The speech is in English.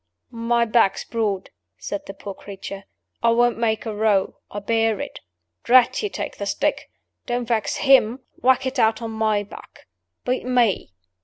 "My back's broad," said the poor creature. "I won't make a row. I'll bear it. Drat you, take the stick! Don't vex him. Whack it out on my back. Beat _me.